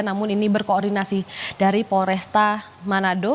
namun ini berkoordinasi dari polresta manado